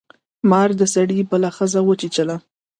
مار د سړي بله ښځه وچیچله.